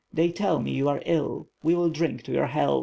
They tell me you are ill, we will drink to your health."